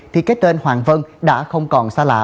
thì cái tên hoàng vân đã không còn xa lạ